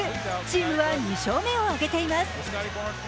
チームは２勝目を挙げています。